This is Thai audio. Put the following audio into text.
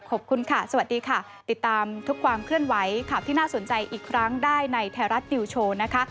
ขอบคุณค่ะสวัสดีค่ะติดตามทุกความเคลื่อนไหวข่าวที่น่าสนใจอีกครั้งได้ในไทยรัฐนิวโชว์นะคะ